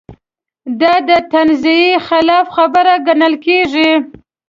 دا د تنزیې خلاف خبره ګڼل کېږي.